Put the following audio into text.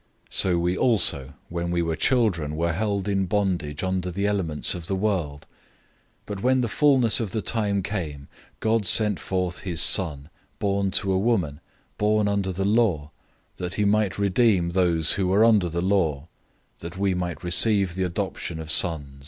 004:003 So we also, when we were children, were held in bondage under the elemental principles of the world. 004:004 But when the fullness of the time came, God sent out his Son, born to a woman, born under the law, 004:005 that he might redeem those who were under the law, that we might receive the adoption of children.